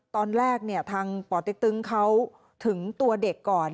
ตอนแรกเนี่ยทางป่อเต็กตึงเขาถึงตัวเด็กก่อน